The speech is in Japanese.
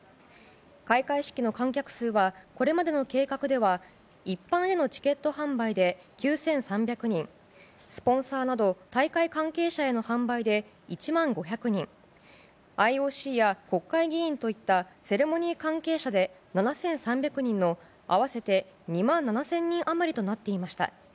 開会式の観客数はこれまでの計画では一般へのチケット販売で９３００人スポンサーなど大会関係者への販売で１万５００人ＩＯＣや国会議員といったセレモニー関係者で７３００人の合わせて２万７０００人余りとなっていました。